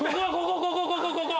ここここここ！